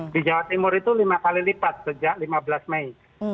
di jawa timur itu lima kali lipat sejak lima belas mei